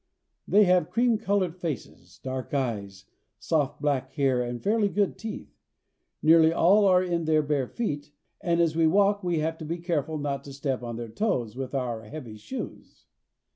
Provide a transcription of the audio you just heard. They have cream colored faces, dark eyes, soft black hair, and fairly good teeth. Nearly all are in their bare feet, and as we walk we have to be careful not to step on their toes with our heavy shoes.